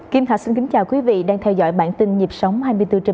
kim hạ xin kính chào quý vị đang theo dõi bản tin nhịp sống hai mươi bốn h bảy